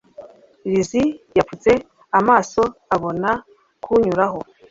Lizzie yapfutse amasoabona kunyuraho